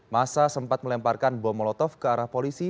masa sempat melemparkan bom molotov ke arah polisi